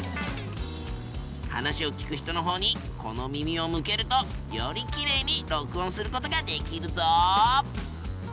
話を聞く人のほうにこの耳を向けるとよりきれいに録音することができるぞ。